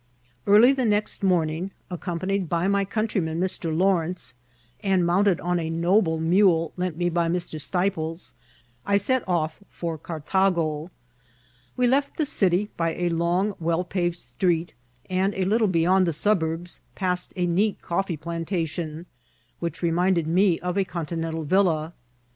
Early the next mommg) aQocmpaiiied by my oomi* tryman Mr. Lawrence, and mounted on a noble mole lent me by Mr. Steiples, I set off {ot Cartage* We left the city by a long^ well payed street, and a little beyond the suburbs passed a neat coffee plantatMMi, which re* minded me of a Continental villa.